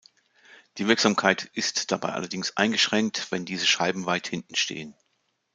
Die Wirksamkeit ist dabei allerdings eingeschränkt, wenn diese Scheiben weit hinten stehen.